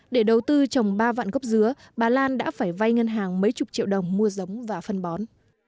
để đầu tư trồng ba vạn gốc dứa bà lan đã phải vay ngân hàng mấy chục triệu đồng mua giống và phân bón